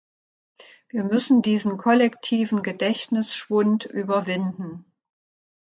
Wir müssen diesen kollektiven Gedächtnisschw- und überwinden.